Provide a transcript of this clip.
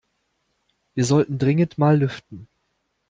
Wir sollten dringend mal lüften.